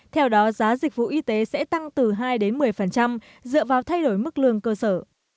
theo đó giá dịch vụ y tế sẽ tăng từ hai đến một mươi dựa vào thay đổi mức lương cơ sở